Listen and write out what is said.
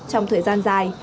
trong thời gian dài